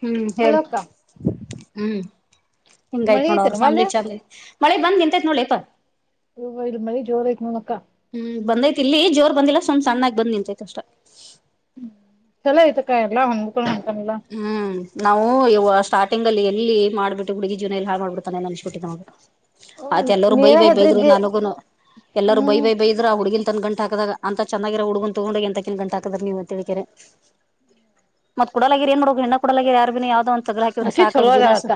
ಹ್ಮ್ hello ಹೇಳಿ ಅಕ್ಕ ಹ್ಮ್ ಮಳಿ ಹಿಂಗಾಯ್ತ್ ನೋಡೋ ಅವರು ಐತೆೇನ ಮಲ್ಯ ಫ್ಯಾಮಿಲಿ ಚಾಮ್ಲಿ ಮಳೆ ಬ್ ನಿಂತಯ್ತ್ ನೋಡ್ಲಿಪಾ ಹ ಇ ಮಳಿ ಜೋರಕ್ ನೋಡಕ್ಕ ಹ್ಮ್ ಬಂದೈತಿ ಇಲ್ಲಿ ಜೋರ್ ಬಂದಿಲ್ಲ ಸುಮ್ ಸಣ್ಣಾಗಿ ಬಂದ್ ನಿಂತೈತ ಅಷ್ಟ ಚಲೋ ಇತ ಕಾಯರ್ಲ್ಲಾ ಹೊಂದ್ಕ ಹ್ಮ್ ನಾವು ಇವು ಸ್ಟಾರ್ಟಿಂಗ್ಲ್ಲಿ ಎಲ್ಲಿ ಮಾಡಿಬಿು ಹುಡುಗಿ ಜನಲ್ಲಿ ಹಾ ಮಾಡಬಿಡ್ತಾನೆ ಅನ್್ಿಟ್ಟಿದ್ದ ನನು ಆಯ್ತ ಹ್ಮ್ ಎಲ್ಲರರು ಬೈ ನೀನ ಬೈ ಬೈದ್ರು ಹೆದ್ರಿದ್ದಿ ನನಗುನು ಎಲ್ಲರೂ ಬೈ ಹ್ಮ್ ಬೈ ಬೈದ್ರು ಆ ಹುಡುಗಿನ್ ತಂದ ಗಂಟ ಹಾಕದಾಗ ಅಂತ ಚೆನ್ನಾಗಿರ ಹುಡ್ಗನ್ ತಗೊಂಡ ಎಂತ ಕೆನ್ ಗಂಟ ಹಕತದ ನೀವ ಮತ್ ಕೂಡ ಏ ನೋ ಹೆಣ್ಣ ಕೊಡಲ ಯಾರ ಯಾವದ ಗ್ರ ಹಾಕಿವ್ರ ಅಕಿ ಸಾಕ ಅವನ ಚಲೋ ಅದಾಳ ಜೀವನಾ ಸಾ.. ಅಕ್ಕ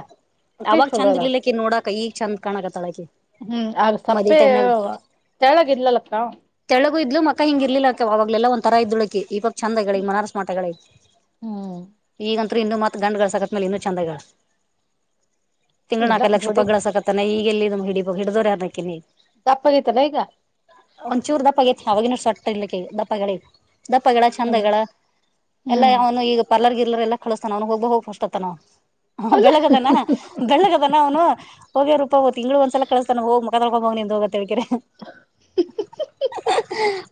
ಅಕಿ ಅವಾಗ ಚಲೋ ಚಂದ್ ಅದಾಳ ಇರಲಿಲ್ಲ ಆಕಿ ನೋಡಕ ಈಗ ಚಂದ್ ಕಾನಕತ್ತಳ್ಳ ಆಕೀ ಹ್ಮ್ ಆಗ ಸಪ್ಪೆ ಏ ತೆಳ್ಳಗ ಇದ್ಲು ಮಕ್ಕ ಹಿಂಗ ಇರ್ಲಿಲ್ಲ ಅವಾಗ್ಲಾ ಎಲ್ಲಾ ಒಂದ.. ಒಂದ ತರ ಇದ್ದುಳಕಿ ಇವಾಗ ಚಂದ ಆಗ್ಯಾಳ ಆಕಿ ಮನಾರ ಸ್ಮಾರ್ಟ್ ಆಗ್ಯಾಳ ಹ್ಮ್ ಈಗ ಅಂತ್ರು ಇನ್ನೂ ಮತ್ತ ಗಂಡ ಗಳಸಕಾತ ಇನ್ನು ಚಂದ ಆಗ್ಯಾಳ ತಿಂಗಳಿಗೆ ಇಲ್ಲ ನಾಲ್ಕೈದು ಲಕ್ಷ ಜೋಡಿ ರೂಪಾಯಿ ಗಳಸಾಕತ್ತಾನ ಈಗ ಎಲ್ಲಿ ಹಿಡದ ಅವರ ಯಾರ ಅಕಿನ ದಪ್ಪಗ ಐತಿಯಲ್ಲ ಈಗ ಒಂದಚೂರು ದಪ್ಪ ಅಗೇತಿ ಅವಾಗ ಇನ್ನೂ ಸೊಟ್ಟ ಇದ್ದಳ ಆಕಿ ದಪ್ಪ ಆಗ್ಯಾಳ ಇಗ ದಪ್ಪ ಆಗ್ಯಾಳ ಚಂದ ಆಗ್ಯಾಳ ಎಲ್ಲ ಹ್ಮ್ ಯಾವನು ಈಗ ಇಲ್ಲದಿರ ಎಲ್ಲಾ ಕಲಿಸ್ತಾನ ನ ಅವ್ ಹೋಗ ಬಾ ಹೋಗ ಫಸ್ಟ್ ಅಂತಾನ ಅವ ಹ ಅಲ್ಲ ಬೆಳ್ಳಗಾದನ ಬೆಳ್ಳಗಾದನ ಅವನು ಹೋಗಲೇ ರೂಪವ್ವ ತಿಂಗಳಿಗೆ ಒಂದ ಸಲಾ ಕಳಸತಾನ ಹೋಗ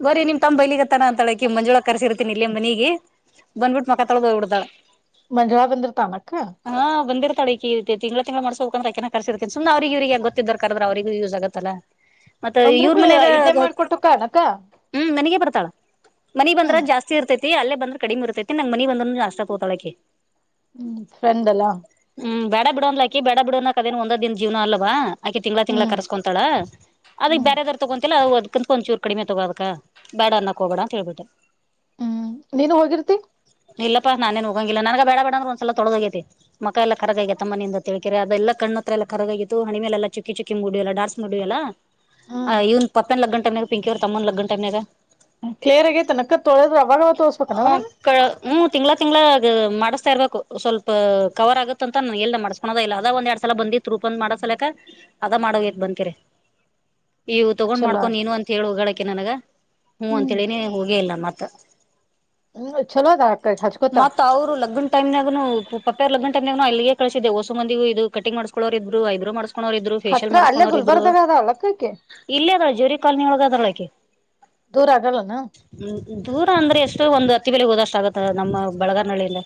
ಹೋಗ್ರೀ ನಿಮ್ಮ ತಮ್ಮ ಬೈಯಲಿಕತಾನ ಅಂತಳಕಿ ಮಂಜುಳ ಕರ್ಸಿರ್ತಿನಿ ಇಲ್ಲಿ ಮನಿಗಿ ಬಂದ್ಬಿಟ್ಟು ಕರ ಕರದ ಹೋಗಿ ಬಿಡ್ತಾಳ ಮಂಜುಳ ಬಂದಿರ್ತಾನಕ್ಕ ತಡಕಿ ಇತಿ ತಿಗಳ ತಿಂಗಳಾ ಮಾಡಸೋಕೆ ಅಂದ್ರ ಅವರನ ಕರಸೀತಾಳ ಸುಮನ್ ಅವರಿಗೆ ಇವರಿಗೆ ಯಾಕ ಅವರನ ಗೊತ್ತಿದ್ದರನ ಕರದರ ಅವರಿಗೂ ಯೂಸ ಆಗುತ್ತೆ ಅಲ್ಲ ಮತ್ತ ಅಂದ್ರಕ ಇವ್ರ ಇಲ್ಲೇ ಮನಿಯಾಗ ಮಾಡ್ಕೊಟ್ಟಕ್ಕ ಅನಕ್ಕ ಹ್ಮ್ ನನಗ ಬರುತ್ತ ಮನಿಗೆ ಬಂದ್ರ ಹ್ಮ್ ಜಾಸ್ತಿ ಇರ್ತೈತಿ ಅಲ್ಲೇ ಬಂದ್ರೆ ಕಡಿಮೆ ಇರ್ತೈತಿ ನಂಗ್ ಮನಿ ಬಂದ್ರ ಅನು ಅಷ್ಟ ತಗೊತ್ತಲ್ಲ ಆಕಿ ಹ್ಮ್ ್ರೆಂಡಲ್ಲಾ ಬೇಡ ಬಿಡ ಅಂದಲ ಆಕೀ ಬ್ಯಾಡ ಬಿಡ ಅನ್ನಾಕ ಅದೇನ ಒಂದ ದಿನಾ ಜೀವನ ಅಲ್ಲ ವಾ ಆಕೆ ತಿಂಗ್ಗಳಾ ತಿಂಗಗಳಾ ಹ್ಮ್ ಕರೆಸಿಕೊತಾಳ ಅದಕ್ ಹ್ಮ್ ಬೇರೆ ಬ್ಯಾರೆ ತುಗೊಂತ್ತಿಲ್ಲ ಚನ್ ಪೊಂಚೂರು ಕಡಿಮೆ ತುಗೊಳದಕ ಬ್ಯಾಡ ಅನ್ನಾಕ್ ಹೋಗೋಣ ಅಂತ ಹೇಳ್ಬಿಟ್ಟೆ ಹ್ಮ್ ನೀನು ಹೋಗಿರ್ತಿ ಇಲ್ಲಪ್ಪಾ ನಾನೇನ್ ಹೋಗಂಗಿಲ್ಲ ನನ ಬ್ಯಾ ಬಡ್ರ ಒಂದಸಲ ತೊಳಗೈತಿ ಮಕ್ಕ ಎಲ್ಲ ಕರಗ ಅಗೆತಿ ಅಮ್ಮನಿಂದತಿ ಅದೆಲ್ಲ ಹತ್ರ ಎ ಕರಗಾಗಿತ್ತು ಹಣೆ ಮೇಲ ಎಲ್ಲಾ ಚುಕ್ಕಿ ಚುಕ್ಕಿ ಮೂಡಿತು ಲ್ಲ ಡಾನ್ಸ್ ಮಾಡುವ ಅಲ್ಲ ಹ್ಮ್ ಇವನ ಪಪ್ಯನ್ ಲಗ್ನ ಟೈಮ್ದಾಗ ಪಿಂಕಿ ಅವರ ತಮ್ಮನ ಲಗ್ಗನ್ನ ಟೈಮ್ದಾಗ ಕ್ಲೇರ್ ಆಗ ತನಕ್ಕ ತೋಳದ್ರ ಅವಾಗ ಅವಾಗ್ ತೋರಸಬೇಕ ಅನ ಅದನ ಹ್ಮ್ ತಿಂಗಳಾ ತಿಂಗಳಾ ಆದ ಮಾಡಸತೀರಬೇಕ ಸ್ವಲ್ಪ ಕವರ್ ಆಗುತ್ತ ಅಂತ ನಾನ ಎಲ್ಲ ಮಾಡಿಸಿಕೊಳೋದ ಇಲ್ಲ ಅದ ಒಂದ ಎರಡ್ ಸಲ ಬಂದಿತ್ತ ರೂಪಾ ಅಂದ ಪಂದ ಮಾಡೋ ಸಲುವಾಗಿ ಅದ ಮಾಡ ಹೊಗೆತಿ ಬಂದಕಾರಿ ಇವು ತಗೊಂಡ್ ಚಲೋ ಮಾಡ್ಕೊಂಡ ನೀನು ಅಂತ ಹೇಳಿ ಹೋಗಾಳಕ್ಕೆ ನನಗ ಹ್ೂ ಅಂತ ಹ್ಮ್ ಹೇಳಿನಿ ಹೋಗೇ ಇಲ್ಲ ಮತ್ತೆ [inaudible] ಹ್ಮ್ ಚಲೋ ಅದ ಅಕ್ಕ ಹಚ್ಕೋತ ಮತ್ತ ಅವ್ರು ಲಗ್ನ್ ಟೈಮ್ನ್ಯಾಗ ಅನು ಪಪೆಯಾರ್ ಲಗ್ನ್ ನ ಅಲ್ಲಿಗೆ ಕಳಿಸಿದೆ ಹೊಸ ಮಂದಿಗೂ ಇದು ಕಟ್ಟಿಂಗ ಮಾಡಿಸಿಕೊಳ್ಳರ ಇದ್ದರೂ ಹೈಬ್ರೋ ಮಾಡಿಸಿಕೊ ಕಕೋರ ಇದ್ರು ಫೇೇಶಿಯಲ್ ಹತ್ರ ಅಲ್ಲೇ ಮಾಡಸ್ಕೋರ್ ಇದ್ರು ಗುಲ್ಬರ್ದಾಗ ಅದ ಅಲಕ್ಕಕ್ಕೆ ಇಲ್ಲ ಅದಾಳ ಜೋರಿ ಕಾಲನಿ ಒಳಗ ಅದಾಳ ಆಕಿ ದೂರ ಆಗಲ್ಲ ಅನ ದೂರ ಅಂದ್ರೆ ಎಷ್ಟೊ ಒಂದು ಅತ್ತಿಬೆಲೆ ಗೆ ಹೋದಷ್ಟ ಆಗುತ್ತ ನಮ್ಮ ಬ ಬೆಳಗಾರ್ನಹಳ್ಳಿಯಿಂದ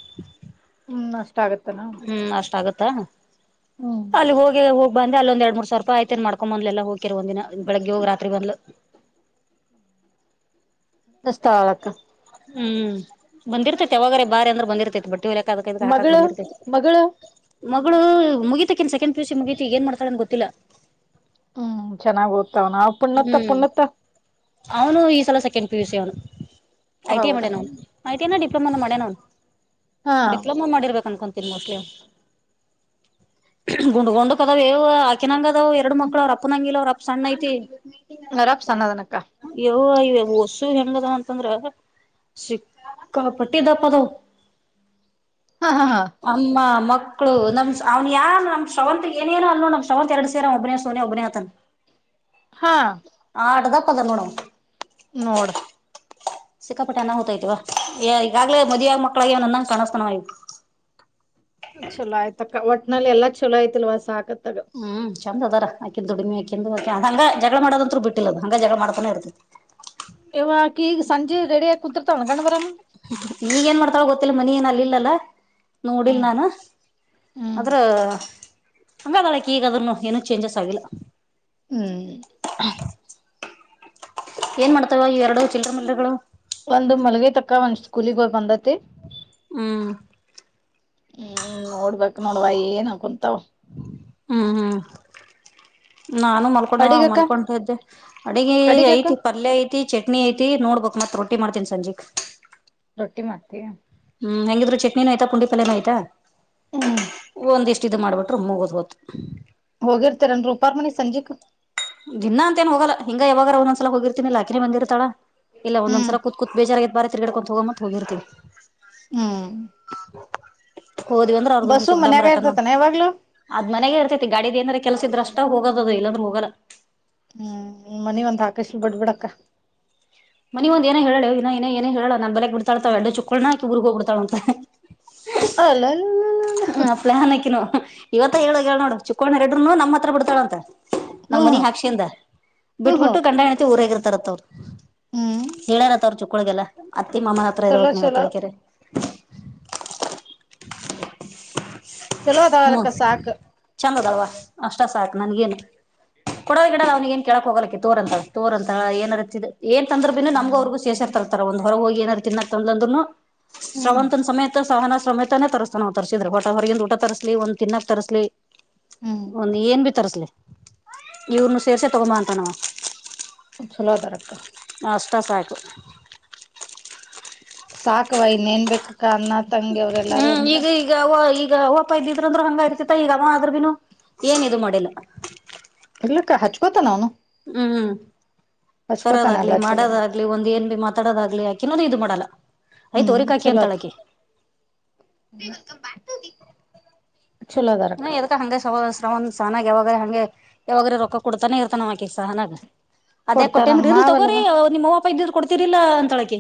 ಹ್ಮ್ ಅಷ್ಟ ಆಗತ್ತನಾ ಅಷ್ಟ ಆಗತ್ತಾ ಅಲ್ಲಿ ಹೋಗ ಹೋಗಿ ಬನ್ನಿ ಅಲ್ಲಿ ಒಂದ ಎರಡು ಮೂ ಸಾವರ ರೂಪಾಯ ಆಯ್ತತಿ ಮಾಡ್ಕೊಂದ ಬಂದಾಲ ಎಲ್ಲಾ ಹೋಗಿ ಕೆ ಒಂದ ದಿನಾ ಬೆಳಗ್ಗೆ ಹೋಗ ರಾತ್ರಿ ಬಂದ್ಲು [inaudible] ಹ್ಮ್ ಬಂದಿರ್ತೈತಿ ಯಾವಾಗಾರ ಬಾರಿ ಅಂದ್ರ ಬಂದಿರ್ತೈತಿ ಬಟ್ಟೆ ಹೋಲಿಯಾಕ ಅದಕಂತ ಹಾಕಾಕ ಮಗಳು ಬಂದಿರ್ತೇತಿ ಮಗಳು ಮಗಳು ಮುಗಿತ ಅಕಿನ ಸೆಕೆಂಡ್ ಪಿ ಯು ಸಿ ಮುಗೀತಿ ಈಗ ಏನ್ ಮಾಡ್ತಾಳ ಅಂತ ಗೊತ್ತಿಲ್ಲ ಹ್ಮ್ ಚೆನ್ನಾಗ ಓದತವನಾ ಪುಣತ್ತ ಹ್ಮ್ ಪುಣತ್ತ ಅವನು ಈ ಸಲ ಸೆಕೆಂಡ್ ಪಿ ಯು ಸಿ ಅವನು ಐ ಟೀ ಐ ಮಾಡೇ ಹೌದನ ಅವ ಐ ಮಾಡಿ ಡೀ... ಡಿಪ್ಲೊಮ ಮಾಡ್ಯನ ಹಾ ಡಿಪ್ಲೊಮಾ ಮಾಡಿರ್ಬೇಕು ಅನಕೋತಿನಿ ಮೋಸ್ಟ್ಲಿ ಅವನು ಗುಂಡ್ ಗೊಂಡಕ್ ಅದಾವ್ವು ಆಕಿನಂಗ ಅದಾವ ಎರಡು ಮಕ್ಳ ಅವ್ರ ಅಪ್ಪನಂಗ ಇಲ್ಲಾ ಅವ್ರ ಅಪ್ಪ ಸಣ್ಣ ಐತಿ ಅವರ ಅಪ್ಪ ಸಣ್ಣ ಅದನ ಅಕ್ಕ ಓ ಇ ಒಸು ಹೆಂಗದ ಅಂತಂದ್ರ ಸಿಕ್ಕ ಪಟ್ಟಿ ದಪ್ಪ ಅದಾವ ಹಾ ಹಾ ಹಾ ಅಮ್ಮ ಮಕ್ಕ... ಮಕ್ಕಳುಮ್ನ್ ಯಾ ನಮ್ವಂತತ್ ಏನೇನನು ಅಲ್ಲೋ ನಮ್ವಂತ ಎರಡ್ ಸೇರ ಅವ ಒಬ್ಬನೇ ಸೋನೆ ಒಬ್ಬನೇ ಆತನ್ ಹಾ ಆಟದಾ ಕೊದಮಡ ನೋಡ ಸಿಕ್ಕಾಪಟ್ಟೆನ ಹೂತೈತಿವ ಈಗಾಗಲೇ ಮದುವಿಯಾಗ ಮಕ್ಳಾಗಿ ವನಂದಂಗ ಕಾಣಸ್ಕನ ಆ ಚಲ ಆಯತ ಅಕ್ಕ ಒಟ್ನಲ್ಲಿ ಎಲ್ಲ ಚಲೋ ಆಯತಿಲ್ವಸ ಹಕತ್ ಹ್ಮ್ ಚಂದ ಅದಾರಾಕಂದು ದುಡಿಮಿ ಆಕಿಂದು ಹಂಗ ಜಗಳ ಮಾಡೋದಂರು ಬಿಟ್ಟಿಲ್ಲ ಅದ ಹಂಗ ಜಗಳ ಮಾಡ್ಕೊ ಇರ್ತದೆ ಇವ ಆಕಿ ಈಗ ಸಂಜೆ ರೇಡೆಯ ಆ ಕುುದುತ ಹುಗಳನ್ನುಣವರನು ಈಗ ಏನ್ ಮಾಡ್ತಾವ ಗೊತ್ತಿಲ್ಲ ಮನಿ ಏನ ಅಲ್ಲಿಲ್ಲಲ್ಲ ನೋಡಿಲ್ ಹ್ಮ್ ನಾನು ಹ್ಮ್ ಆದ್ರ ಹಂಗಾದಾಳಕ ಈಗದ್ರನು ಏನು ಚೇಂಜಸ್ ಆಗಿಲ್ಲ ಹ್ಮ್ ಏನ್ ಮಾಡ್ತಾವ ಈ ಎರಡು ಚಿಲ್ರಮಲ್ಗಳು ಒಂದು ಮಲ್ಗ ತಕ್ಕ ಒಂದ್ ಸ್ಕೂಲಿಗೆ ಹೋಗ್ ಬಂದತಿ ಹ್ಮ್ ನೋಡುವ ಏನ ಕುಂತವ ಹ್ಮ ಹ್ಮ ನಾನು ಮಲ್ಕೊಂಡವ ಅಡಿಗಕ್ಕ ಮಲ್ಕೊಂಡದ್ದೆ ಅಡಗೆ ಅಡಿಗಕ್ಕ ಐತಿ ಪಲ್ಯ ಐತಿ ಚಟ್ನಿ ಐತಿ ನೋಡ್ಬೇಕ ಮತ್ ರೊಟ್ಟಿ ಮಾಡ್ತೀನಿ ಸಂಜಿಕ್ ರೊಟ್ಟಿ ಮಾಡ್ತೀ ಹ್ಮ್ ಹೆಂಗಿದ್ರು ಚಟ್ನಿನೂ ಆಯ್ತಾ ಕುುಂಡಿ ಪಲ್ಲನ ಆಯ್ತಾ ಹ್ಮ್ ಒಂದಿಷ್ಟ ಚ್ಚಿದದು ಮಾಡಿಬಿಟ್ರರು ಮುಗದು ಹ ಹೊತ್ತುು ಹೋಗಿರ್ತರನ್ ರೂಪಾರಮಣಿ ಸಂಜೆಕ್ ದಿನಾ ಅಂತೇನ್ ಹೋಗಲ್ಲ ಹಿಂಗ ಯಾವಾಗ ಒಂದ್ಸಲ ಹೋಗಿರ್ತಿನನಿಲ್ಲಾಕಿನಿ ಬಂದಿರ್ತಾಳ ಇಲ್ಲ ಹ್ಮ್ ಒಂದೊಂದ್ಸರ ಕುತ್ತ್ ಬೇಜಾರಾಗತ್ತು ಬಾರೆ ತಿರ್ಗಡ್ಕೊಂಡು ಹೋಗ ಮತ್ತ ಹೋಗಿರ್ತತಿವಿ ಹ್ಮ್ [unintelligible] ಹೋದ್ ಅಂದ್ರ ಅವ್ರದ ಬಸ್ಸು ಮನ್ಯಾಗ ಒಂದಡ್ಡಂಬರಾಟಂದರು ಇರ್ತತಾನ ಯಾವಾಗ್ಲೂ ಅದ್ ಮನೆಗೇ ಇರ್ತತಿ ಗಾಡಿದಏಂದ್ರ ಕೆಲ್ಸಿದ್ರ ಅಷ್ಟ ಹೋಗದಲ್ಲಾದ್ರೂ ಹೋಗಲ್ಲ ಹ್ಮ್ ನಿ ಮನಿ ಒಂದ ಆಕಶ ಬಿಡ್ಬಿಡಕ್ಕ ಮನ ಒಂದ ಏನ ಹೇಳಳೆ ಇನಏ ಏನು ಹೇಳೋ ನನ್ ಬೆಲೆಗ್ ಬಿಡ್ಳತಾವ ಎಡ್ಡ ಚುಕ್ಕಳ್ನಾಕಿ ಊರ್ಗ್ಗ್ ಬಿತಾಳ ಅಂತ ಅಲ್ಲಲ್ಲ ಹಪ್ಲೇ ಹ ನಕಿನೋ ಇವತ್ತ ಹೇಳ ಹೇಳಳ್ ನೋಡು ಚಿಕ್ಕೋ್ಣ ಎಡರುನು ನಮ್ಮ ಹತ್ರ ಬಿಡ್ತಾಳ ಅಂತೆ ನಮ್ಮ್ ಹ್ಮ್ ಮನಿ ಹ್ಮ್ ಹಾಕ್ಷಿದ ಬಿಟ್ಬ ಬಿಟ್ಟು ಹ್ಮ್ ಗಂಡ ಹೆಣತಿ ಊರಗಿರ್ತಾರತ್ ಅವ್ರು ಹ್ಮ್ ಹೇಳಳ್ಯಾರತ್ ಅವ್ರರು ಚುಕ್ಕೊಳ್ಗೆಲ್ಲ ಅತ್ತಿ ಮಾಮ್ಮನ ಹತ್ರ ಚಲೋ ಇರ್ಬೇಕಕ್ ನೀವ್ ಚಲೋ ತಿಳ್ಕ [unintelligible] [inaudible] ಚಲೋದಾವರಕ್ಕ ಸಾಕ್ ಚೆಂದದಲ್ವಾ ಅಷ್ಟ ಸಾಕು ನನ್ಗೇನು ಕೊಡೋದ ಗಿಡಲ್ಲ ಅವ್ನ ಏನ್ ಕೆೇಳಕ್ ಹೋಗಲಿಕ್ಕೆ ತೋರ್ ಅಂತ ತೋರ್ ಅಂತ ಏನರ್ತ್ ಏನ್ ತಂದ್ರು ಬಿನು ನಮಗ ಅವ್ರಗೂ ಶೇಷರ್ ತತಾರ ಒಂದ ಹೊರ ಹೋಗಿ ಏನಾರ ತಿನ್ನ ತಂದ ಅಂದರುನು ಹ್ಮ್ ಶ್ರವಂತನ ಸಮೇತ ಸಹನ ಸಮೇತನೇ ತರಿಸಸ್ತಾನ ತರಿಸಸಿದ್ರೆ ಹೊಟಾ ಹೊರಗಿಂದ ಊಟ ತರಿಸತ ಲಿ ಒಂದ್ ತಿನ್ನಕ್ ತರಸ್ಲಿ ಹ್ಮ್ ಒಂದ್ ಏನ್ ಬಿ ತರಸ್ಲಿ ಇವ್ರನು ಸೇಷೆ ತಗೊ ಮಾ ಅಂತಾನವ ಸುಲದ ರಕ್ಕ ಕಾಸಾಯ ಕ ಸಾಕವಾ ಇನ್ನೇನ್ ಬೇಕಕ್ ಹ್ಮ್ ಈಗ ಈಗ ಈಗ ಒಪ್ಪ ಇದ್ದಿದ್ರಂದ್ರ ಹಂಗ ಇರ್ತಿ ಈಗ ಆದ ಬಿನು ಏನ್ ಇದು ಮಾಡಿಲ್ಲ ಇರ್ಲಕ್ಕ ಹಚ್ಕೊತ ನ ಅವನು ಹ್ಮ್ ಹಚ್ಕೋತಾನ ತರೋದಾಗ್ಲಿ ಎಲ್ಲಾ ಚಲೋನ ಮಾಡೋದಾಗ್ಲಿ ಒಂದ್ ಏನ್ ಭ ಮಾತಾಡೋದಾಗ್ಲಿ ಯಾಕನ ಇದು ಮಾಡ ಯ ಹ್ಮ್ ತೋರಿ ಹಾಕಿ ಚಲೋ ಅಂತಳಕ ಚಲೋ ನ ಅದಾರಕ್ಕ ಎದಕ್ಕ ಹಂಗಗೆ ಸವ ಒಂದ್ ಸಹನಾಗ ಯಾವಾಗ್ರ ಹಗೆ ಯಾವಾಗ್ರ ರೊಕ್ಕ ಕೊಡ್ತಾನೆ ಇರ್ತಾನ ನಮಕ ಸಹಾನಾಗ್ ಅದೇ ಕೊಟ್ಟೇ ಕೊಡ್ತಾರನ್ ಅಂದ್ರೆ ಇಲ್ ಮಾವಲ್ವ ತಗೋರಿ ನಿಮ್ಮ ಇದ ಕೊಡ್ತಿರ್ಲಾ ಅಂತಳಕ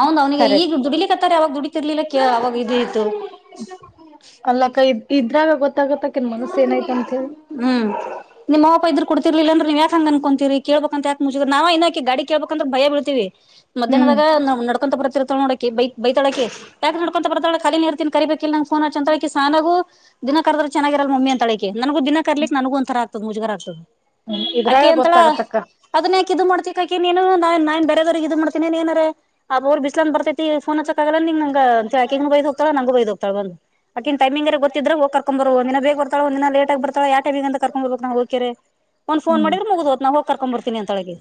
ಅವ್ ಅವ್ನಿಗೆ ಈಗ ಕರೆಕ್ಟ್ ದುಡಿಲಿಕ್ಕೆತ್ತಾರೆ ಅವಾಗ ದುಡ ಇರ್ಲಿಲ್ಲ ಅವಾಗ ಇ ಅಲ್ಲ ಕೈ ಇದ್ರಾಗ ಗೊತ್ತ ಹ್ಮ್ ನಿಮ್ಹಾವ್ ಬಿಯ್ದೆರ್ ಕೊಡ್ತಿರ್ಲಿಲ್ಲಂದ್ರ ನೀವು ಯಾ ಹಂಗ ಅನ್ಕೋಂತರಿ ಕೇಳ್ಬೇಕಂತಾಕ್ ಮುಿದ್ರ ನಾವ ಇನ್ನೋಕ ಗಡಿ ಕೇಳಳ್ಬೇಕಂದ್ರ ಭಯ ಬಳ್ತೀವಿ ಹ್ಮ್ ಮಧ್ಯಾಹ್ನದಾಗ ನ ನಡ್ಕೊಂತ ಬ ರ್ಳ ನೋಡಕ ಬೈ ಬೈತಾಳಕಟ್ಯಾಕ್ ನಡ್ಕೊಂತ ಬರ್ತಳಖಾಲಿ ನೀ ಇರ್ತನಿ ಕರಿಬೇಕೇಕ ಇ ನಂಗ ಫೋನ್ ಹ ಚ ಅಳಕ ಸಾನಾಗು ದಿನ ಕರದ್ರ ಚೆನ್ನಾಗಿರಲ್ ಮಮ್ಮಿ ಅಳಕ್ಕೆ ನನಗ ದಿನ ಕರ್ಲಿ ನನಗ ಒಂರ ಆಗ್ತದ ಮುಜಗಾರ್ ಆಗ್ತದೆ ಹ್ಮ್ ಇದ್ರಾಗ ಆಕೆ ಅಂತಳ ಗೊತ್ತಾಗತ್ತಕ್ಕ ಅದನ್ನ ಯಾಕೆ ಇ್ ಮಾಡ್ತಕ್ಕೆ ನೀನು ನಾನ್ ನಾನ್ ಬೇರೆವ್ರಿಗೆ ಇ್ ಮಾಡ್ತಿ ೇನ್ ಏನಾರ ಆ ಅವರು ಬಿಸ್ಲಂದ ಬರ್ತೈತಿಫೋ ಹ ಚಕ್ಕ ಆಗಲ್ಲಂಗ ನಂಗಗೆಂತಾಕಿಂಗಗ ಬೈ ಹೋಗ್ತಾಳ ನಂಗ ಬೈ ಹೋಗ್ತಾಳ ಬಂದು ಅಕಿ ಟಮಿಂಗ ಎ ಗೊತ್ತ್ರೆ ಹೋಗಕ ದಿನ ಬೇ ಬರ್ತಳ ಒಂದ ದಿನ ಲೇ ಆಗ ಬರ್ತಳ ಯ ಟೈಗ ಕರ್ೊಂಡ್ ಬಬೇಕ ಹ ಒಂದು ೋನ್ ಹ್ಮ್ ಮಾಡಿದ ಮುಗ ನಾ ಹ ಕಕೊ್ಂಬರ್ತೀನಿ ಅಂತೊಳಗೆ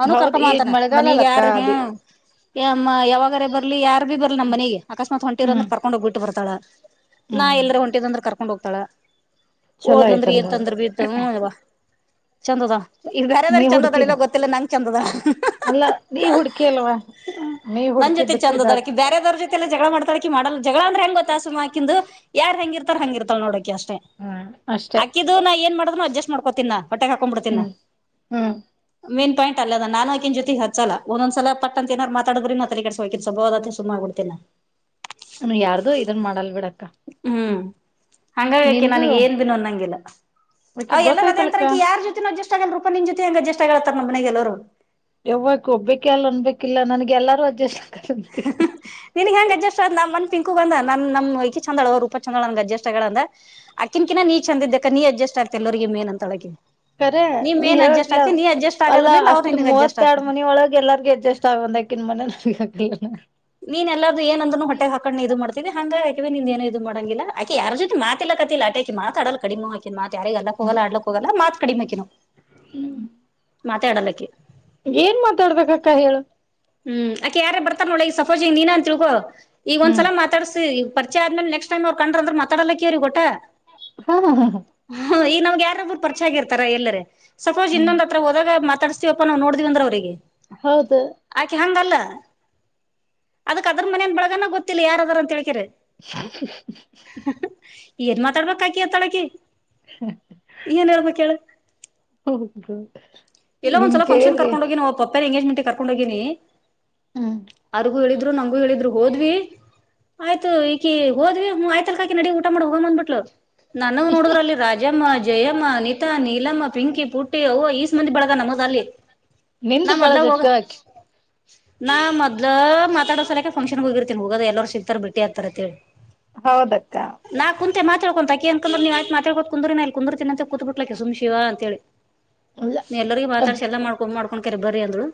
ಅವನು ಹೌದ್ ಕರ್ಕೊಂಬ ಈಗ ಅಂತಾನ ಮನೀಗ್ ಮಳೆಗಾಲಲ್ಲಕ್ಕ ಯಾರ ಅದೇ ಹ್ಮಮ್ಮ ಯಾವಾಗಾರ ಬರ್ಲಿ ಯಾರ ಭೀ ಬರ್ ನಮ್ಮ ಮನೆಗೆ ಅಕಸ್ಮಾತ್ ಹೊಟಿರ ಅಂದ್ರ ಹ್ಮ್ ಕರ್ಕೊಂಡೋಗಬ ಬಿಟ್ಟ ಬತಾಳಾ ಹ್ಮ್ ಎಲ್ಲರ ಹೊಂಟ ಕರ್ಕೊಂಡ್ ಹೋಗ್ತಾಳ ಚಲೋ ಓದ್ಲಂದ್ರೆ ಏನ್ಂತ ಆಯ್ತಂಗಾದ್ರೆ ಅಂದ್ರ ಬಿ ಇತ ಅಲ್ವಾ ಚಂದದ ಈಗ ಬೇರೆದ್ರ ನೀ ಚಂದದಳಲ್ಲ ಹುಡ್ಕಿದೆ ಗೊತ್ತಿಲ್ಲ ನಂಗೆ ಚಂದದ ಹ್ಹಾದಲ್ಲ ಅಲ್ಲ ನೀ ಹುಡ್ಕಿ ಅಲ್ವಾ ನೀ ನನ್ ಜೊತೆ ಹುಡ್ಕಿದ್ದಕ್ಕೂ ಇದಾದ ಚಂದದಳಕ ಬೇರೆದವ್ರ ಜೊತೆಲ್ಲ ಜಗಳ ಮಾಡ್ತಾಳಕಿ ಮಾಡಲ್ಲ ಜಗಳಂದ್ರ ಹೆಂಗೊತ್ತಾಸುಾಕಿಂದು ಯಾರ್ ಹೆಂಗಿರ್ತಾರ ಹಂಗಿರ್ತಲ್ಲ ನೋಡಕ ಅಷ್ಟು ಹ್ಮ್ ಅಷ್ಟೆ ಅಾಕಿದ್ದು ನಾ ಏನ್ ಮಾಡುದ್ನು ಅಡ್ಜಸ್ಟ್ ಮಾಡ್ಕೋತ ನಾ ಹೊಟ್ಟೆಗೆ ಹಾಕೊಂಡ್ ಬಿಿಡ್ತೀನ ಹ್ಮ್ ಹ್ಮ್ ಮೇನ್ ಪಾಯಿಂಟ್ ಅಲ್ಲ ಅದ ನಾನು ಹಾಕನ್ ಜೊತೆಗೆ ಹ ಸಲ ಒಂದಸಲ ಪಟ್ಟಂತಏನಾರರು ಮಾತಾಡ್ರಿ ನ ಕಡೆಸ ಹಕ ಸಬೋದತ್ತ ಸು್ಗ್ಬಡ್ತೇನಾ ನ ಯಾರ್ದು ಇದನ್ ಮಾಡಲ್ ಬಿಡಕ್ಕ ಹಂಗಕೆ ನಿಂದು ನನಗ್ ಏನ್ ದಿನ ಅನ್ನಂಗಿಲ್ಲ ಅವ ಅಕಿ ಎಲ್ಲರ ಅದೇ ಅಂತರಕ ಗೊತ್ತಾಯ್ತಲಕ್ಕ ಯಾರ್ ಜೊತೆಿನ ಜ ಎ ರೂಪಾ ನಿಜ ಜೊತೆಂಗ ಜಸ್ ಆಗತಾರ ನಮ್ಮ ಮನೆಗೆಲ್ಲೋರು ಯಾವಕ್ು ಒಬ್ಬೇಕ ಅಲ್ಲ ಅಂದಬೇಕಿಲ್ಲ ನನ್ಗೆ ಎಲ್ಲಾರು ಅಡ್ಜಸ್ಟ್ ಆಗಕಂತೀನಿ ನಿನ್ಗ್ ಹೆಂಗಗೆ ಅಜಸ್ಟ್ ನಮ್ಮ ಮನ್ ಪಿಂಕು ಬಂದ ನ ನಮ್ ಚಂದಾಳ ರೂಪ ಚಂದಳ ಅಡ್ಜಸ್ ಆಗ ಅಂದ ಅ ಆಕಿಿನ ಕಿಿನ ನೀ ಚಂದ ಇದಿದ್ದ ನೀ ಅಡ್ಜಸ್ಟ್ ಇಷ್ಟ ಆತ ಎಲ್ಲರಿಗೆಗ ಮೇನ್ ಅಂತ ಅಳಗೆ ಕರ ನೀ ಹೇಳ್ಕ್ಲ ಅಲ್ಲಾ ಆಗೋದ್ರಲಿಂದ ಅವ್ರು ಅಷ್ಟ್ ನಿನಗ್ ಅಡ್ಜಸ್ಟ್ ಮೂವತ್ತ ಎರಡ್ ಆಗ್ತಾರ ಮನಿಯ ಒಳಗೆ ಎಲ್ಲಾರ್ಗ ಅಡ್ಜಸ್ಟ್ ಆಗ್ಬಂದ ಮನೆಲ್ಲ ನೀನ್ ಎಲ್ಲಾರ್ದ ಏಂದ್ೂ ಹೊಟ್ಟೆ ಹಾಕೊಂಡ್ ಇದು ಮಾಡ್ತ ಹಂಗಾಕೆ ನಿ ಏನು ಇ ಮಾಡಂಗಿಲ್ಲಕೆ ಯಾರ್ ಜೊ ಮಾತಿಲ್ಲ ಕತ್ತತಿಲ್ಲ ಅಟಕ ಮಾಡತಡ ಕಡಿಮ ಹಾಕಿತ ಯಾರ ಎಲ್ಲಕ್ಕ ಹೋಗಲ್ಲ ಆಡ್ಲಕ್ ಹೋಗಲ್ಲ ಮಾತ್ ಕಡಿಮೆಕಿನವು ಹ್ಮ. ಮಾತಾಡಲ್ಲಕಿ. ಏನ್ ಮಾತಾಡ್ಬೇಕಕ್ಕ ಹೇಳು. ಹ್ಮ ಅಕೆ ಯಾರ ಬರ್ತಾರ ನೋಡ ಈಗ ಸಫೋಜ ನೀನ ಅಂತ ತಿಳ್ಕೊ ಈಗ ಹ್ಮ್ ಒಂದಸಲ ಮಾತಾಡ್ಸಿ. ಪರಿಚ ಆದ್ಮೇಲ ನೆಕ್ಸ್ಟ್ ಟೈಮ್ ಅವ್ರ ಕಂಡ್ರ ಮಾತಾಡಲ್ಲ ಅಕಿ ಅವ್ರಿಗ ಒಟ್ಟ ಹ್ಞಾ ನಮ್ಗ ಯಾರೊಬ್ರು ಪರಿಚಯ ಆಗಿರ್ತಾರ ಎಲ್ಲರೇ ಸಪೋಸ್ ಹ್ಮ್ ಇನ್ನೊಂದ ಹತ್ರ ಹೋದಾಗ ಮಾತಾಡ್ಸಿವಪ್ಪಾ ನಾವು ನೋಡ್ದವಿಂದ್ರ ಅವ್ರಿಗ ಹೌದು ಹಂಗಲ್ಲ ಅದಕ್ ಅದ್ರ ಮನ್ಯಾದ ಬಳಗನ ಗೊತ್ತಿಲ್ಲ ಯಾರದರ ಅಂತ ಹೇಳಕರೇ [inaudible] ಏನ್ ಮಾತಾಡ್ಬೇಕ್ ಆಕಿ ಅತ್ತಾಳಕಿ ಏನ್ ಹೇಳ್ಬೇಕ ಹೇಳ ಹೌದು. ಎಲ್ಲೋ ಹಿಂಗ್ ಒಂದ್ಸಲ ಫಂಕ್ಷನ್ ಕೇಳಿದ್ರಿ ಕರ್ಕೊಂಡ ಹೋಗಿನೀ ವಾಗಿ ಪಪ್ಪರ ಎಂಗೇಜ್ಮೆಂಟ್ ಕರ್ಕೊಂಡ ಹೋಗಿನಿ ಹ್ಮ್ ಅರು ಹೇಳಿದ್ರು ನಂಗೂ ಹೇಳಿದ್ರು ಹೋದ್ವಿ. ಆಯ್ತು ಈಕಿ ಹೋದ್ವಿ ಹ್ಮ್ ಆಯ್ತಲ್ಕಾಕಿ ನಡಿ ಊಟ ಮಾಡ ಹೋಗ ಬಂದಬಿಟ್ಲು. ನನಗ ನೋಡದ್ರ ಅಲ್ಲಿ ರಾಜಮ್ಮ ಜಯಮ್ಮ ನೀತಾ ನೀಲಮ್ಮ ಪಿಂಕಿ ಪುಟ್ಟಿ ಅವ ಮಂದಿ ಬಳಗ ನಮ್ಮದ ಅಲ್ಲಿ ನಾ ನಿಂದು ಬಾಳ ಮೊದ್ಲ ಹೋಗ ಜಗ್ಗ ಆಕಿ ನಾ ಮೊದಲ ಮಾತಡೋ ಸಲಕೆ ಫಂಕ್ಷನ್ ಹೋಗಿರ್ತನಿ ಹೋಗದ ಎಲ್ಲಾರ್ ಸಿಗ್ತಾರ ಬಿಟ್ಟಿ ಹತಾರ ಅಂತೇಳಿ. ಹೌದಕ್ಕ. ಮಾತಾಕೊಂತಾಕ ಅನ್ಕಂದ್ರ ನೀತ್ತಾಡ್ಕೋ ಕುಂದರಿ ನ ಅಲ್ಲಿ ಕುಂದರ್ತೀನಂತ ಕೂತ್ ಬಿಟ್ಲಕ್ಕೆ ಸುಮ್ ಶಿವ ಅಂತ ಹೇಳಿ. ಇಲ್ಲ ನೀಲ್ಲರಿಗ ಮಾತಾಡ್ಸ ಎಲ್ಲ ಮಾಡ್ಕೊ ಮಾಡಕೊಂಡ ಬರಿ ಅಂದ್ಲು.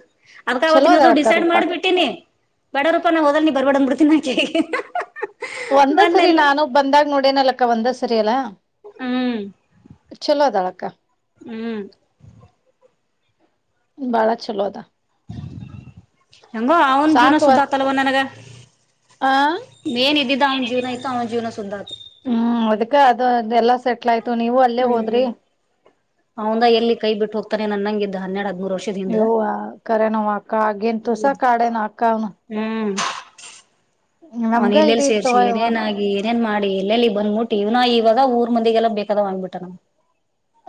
ಅದ್ಕ ಚಲೋ ಅವತ್ತಿನದು ಅದಳಕ್ಕ ಡಿಸೈಡ್ ರೂಪಾ ಮಾಡ್ಬಿಟ್ಟೀನಿ ಬ್ಯಾಡ ರೂಪ ನ ಹೊಡಲ್ ಬರ್ಬಡ ಅಂದ ಬಿಡ್ತೀನಿ ಆಕಿಗಿ ಒಂದ ಸರಿ ನಾನು ಬಂದಾಗ ನೋಡೇನಲಕ್ಕ ಒಂದ ಸರಿ ಅಲ್ಲಾ. ಚಲೋ ಅದಾಳಕ್ಕ. ಹ್ಮ. ಬಾಳ ಚಲೋ ಅದಾ. ಹೆಂಗೋ ಅವ್ನ ಜೀವನ ಸುದ್ದ ಆಗ್ತಲ್ವ ನನಗ ಹ ಏನ್ ಇದ್ದಿದ್ದ ಹ್ಮ ಅವನ್ ಜೀವನ ಇತ್ತು ಅವನ ಜೀವನ ಸುದ್ದ ಆತು ಅದಕ್ಕ ಅದುಲ್ಲ ಹ್ಮ ಅವಂದ ಎಲ್ಲಿ ಕೈ ಬಿಟ್ಟು ಹೋಗ್ತಾನ ಅನ್ನಂಗ ಇದ್ದ ಹನ್ನೆಡ ಹದ್ದ ಯವ್ವ ಖರೇನ ಆಕ್ಕಾ ಆಗಿನ ತುಸ ಕಾಡೇನ ಆಕ್ಕಾ ಅವ್ನ ಅವನ ಇದ ಎಲ್ಲೆಲ್ಲಿ ಸೇರ್ಸಿ ಇತ್ತವ ಇವ ಏನೇನಾಗಿ. ಇದೇನ ಮಾಡಿ ಎಲ್ಲೆಲ್ಲಿ ಬಂದ್ಬಿಟ್ಟಿ ಇವ್ ಇವಾಗ ಊರ ಮಂದಿಗೆಲ್ಲ ಬೇಕಾದವಾ ಆಗ್ಬಿಟ್ಟನ ನಮ್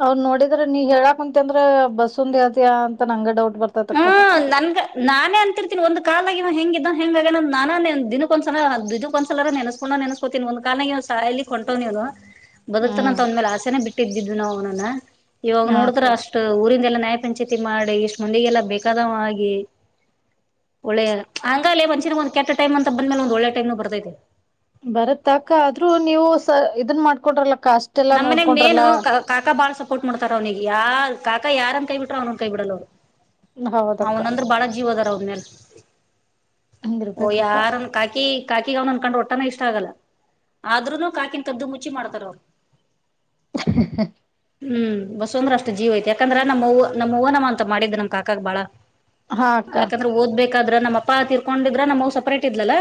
ಅವ್ ನೋಡಿದ್ರ ನೀ ಹೇಳಾಕಂತಿ ಅಂದ್ರ ಬಸ್ಂದ ಹತಿಯ ಅಂತ ನಂಗೆ ಡೌಟ್ ಬರ್ತತಕ್ಕ ಹ್ಮ ನಂಗ ನಾನೇ ಅಂರ್ತೀನಿ ಒಂದು ಕಾಲದಾಗ ಇವ ಹೆಂಗ ಹೆಂಗ ಆಗ್ಯಾನ ನನ್ನ ದಿನಕ್ಕ ಒಂದಸಲರ ನೆನಸ್ಕೊಂದ ನೆನಸ್ಕೊತಿನಿ ಒಂದ್ ಕಾಲನ್ಯಾಗ ಸ ಕೊಂಟವ್ ನೀವನ ಬದುಕ್ತಾನಂತ ಅವಂದ ಮೇಲೆ ಆಸೆನೇ ಬಿಟ್ಟಿದ್ದಿದ್ ನ ಅವನನ್ನ ಇವಾಗ ಹಾ ನೋಡಿದ್ರ ಅಕ್ಕ ಅಷ್ಟ ಊರಿಂದಲ್ಲಾ ನ್ಯಾಯ ಪಂಚಾಯಿತಿ ಮಾಡಿ ಇಷ್ ಮಂದಿಗೆಲ್ಲಾ ಬೇಕಾದಾವ ಅಗ್ಗಿ ಒಳ್ಳೆ ಹಂಗಲೇ ಮಂಷಿನ ಒಂದ ಕೆಟ್ಟ ಟೈಮ್ ಅಂತ ಬಂದ್ಮೇಲೆ ಒಂದ ಒಳ್ಳೆ ಟೈಮ್ ನ ಬರ್ತೈತೆ. ಬರತ್ ಅಕ ಆದ್ರೂ ನೀವು ಸ ಇದನ್ ಮಾಡ್ಕೊಂಡ್ರಲ ನಮ್ಮನೇ ಗ ಮೇನು ಕಾಕಾ ಬಾಳ ಸವ ಪೊಟ್ ಮಾಡತಾರ ಅವನಿಗ ಯ ಕಾಕ ಯಾರನ್ ಕೈ ಬಿಟ್ರ ಅವ್ನ ಕೈ ಬಿಡಲ್ ಅವರ ಹೌದಕ್ಕ ಅವನಂದ್ರ ಬಾಳ ಜೀವ್ ಅದಾರ ಅವನ್ ಮ್ಯಾಲ ಓ ಹಂಗಿರ್ಬೇಕಕ್ಕ ಯಾರನ್ ಕಾಕಿ ಕಾಕಿಗ ಅವ್ನನನ್ನ ಕಂಡ್ರ ಒಟ್ಟಾನ ಇಷ್ಟ ಆಗಲ್ಲ ಆದ್ರೂನು ಕಾಕಿನ ಕದ್ದ ಮುಚ್ಚಿ ಮಾಡ್ತಾರ ಅವ್ರ. [inaudible] ಹ್ಮ ಬಸವಂದ್ರ ಅಷ್ಟ ಜೀವ ಐತಿ ಯಾಕಂದ್ರ ನಮ್ಮವ ನಮ್ಮ ವ ನಮ್ಮ ಅಂತ ಮಾಡಿದ್ದ ನಮ್ಮ ಕಾಕಾಗ ಬಾಳ ಹಾ ಅಕ್ಕ ಯಾಕಂದ್ರ ಓದ್ಬೇಕ. ಯಾಕಂದ್ರ ನಮ್ಮ ಅಪ್ಪಾ ತೀರ್ಕೊಂಡಿದ್ರ ನಮ್ಮವ ಸಪರೇಟ್ ಇದ್ರ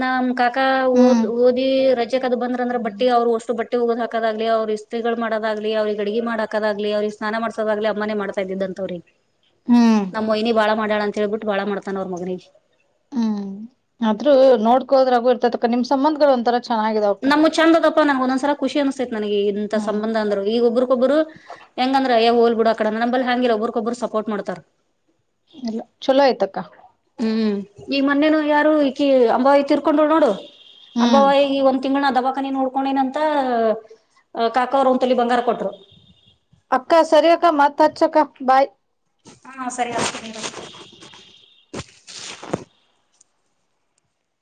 ನ್ ಕಾ ಅಾಾಓದ್ ಹ್ಮ್ ಓದಿ ರಜೆಕ್ ಅದು ಬಂದ್ರ ಅಂದ್ರ ಬಟ್ಟಿ ಅವ್ರು ಅಷ್ಟು ಬಟ್ಟಿ ಹೋಗೋ್ ಹಾಕ ಹಕದ್ಲಿ ಅವ್ರ ಇತ್ಗಳು ಮಾಡದಾಗ್ಲಿ ಅವ್ರಿಗೆ ಅಡಡಿಗೆ ಮಾಡಕದಾಗ್ಲಿ ಅವ್ರಿಗೆ ಸ್ನಾನ ಮಾಡಸದಾಗ್ಲಿ ಅಮ್ಮಾನೇ ಮಾಡ್ತಾ ಇದಿದ್ ಅಂತವ್ರಿ ಹ್ಮ್ ನಮ್ಮ ಮಯನಿ ಬಾಳ ಮಾಡಾಳ ಅಂತ ಹೇಳ್ಬಿಟ್ಟು ಬಾಳ ಮಾಡ್ತಾನ ಅವ್ರ ಮಗನಿಗೆ ಹ್ಮ್ ಆದ್ರೂ ನೋಡ್ಕೋದ್ರಾಗೂ ಇರ್ತತಕ್ಕ ನಿಮ್ ಸಂಬಂಧಗಳು ಒಂಂತರ ನಮಗ ಚಂದದಪ್ಪ ನಂಗ ಒಂದಸ ಖುಷಿ ಅನ್ ನನಗೆ ಇಂತ ಹ್ಮ್ ಸಂಬಂಧ ಅಂದ್ರರು ಈಗ ಒಬ್ಬ್ರಗೊಬ್ಬರು ಹೆಂಗಂದ್ರ ಯ ಹೋಲ್ ಬಿಡ ಅಡ ನಂಬಲ್ಲಿ ಹಂಗಿಲ್ಲ ಒಬ್ರಗೊಬ್ರು ಸಪರ್ಟ್ ಮಾಡ್ತಾರೆ ಎಲ್ಲ ಚೊಲೋ ಆಯ್ತಕ್ಕ ಈ ಮೊನ್ನೇನು ಯಾರು ಈ ಅಂಬಾವಾಯಿ ತಿರ್ಕೊಂಡೋ ನೋಡು ಹ್ಮ್ ಅಂಬಾವಾಯಿ ಈ ಒಂತ ತಿಂಗಣ ದವಾಖಾನಿ ನೋಡ್ಕೊೊಂಡೇನ ಅಂತ ಕಾಕಾ ಅವರು ಒಂತಲಿ ಬಂಗಾರ ಕೊಟ್ರು ಅಕ್ಕ ಸರಿ ಅಕ್ಕ ಮತ್ ಹಚ್ಚಕ್ಕ ಬಾಯ್ ಹಾ ಸರಿ ಆತ